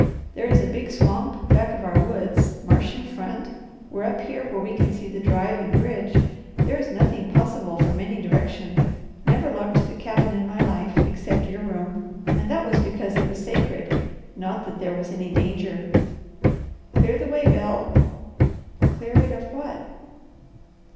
There is a big swamp back of our woods, marsh in front, we're up here where we can see the drive and bridge. There is nothing possible from any direction. Never locked the cabin in my life, except your room, and that was because it was sacred, not that there was any danger. Clear the way, Bel!" "Clear it of what?"